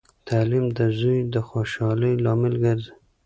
تعلیم د زوی د خوشحالۍ لامل ګرځي.